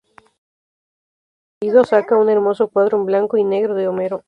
Cuando se haya ido, saca un hermoso cuadro en blanco y negro de Homero.